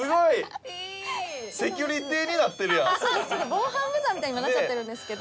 「防犯ブザーみたいに今なっちゃってるんですけど」